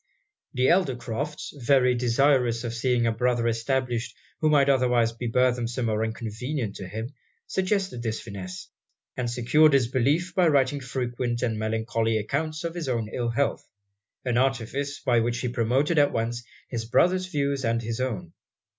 The elder Crofts, very desirous of seeing a brother established who might otherwise be burthensome or inconvenient to him, suggested this finesse; and secured it's belief by writing frequent and melancholy accounts of his own ill health an artifice by which he promoted at once his brother's views and his own.